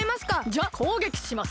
じゃあこうげきします！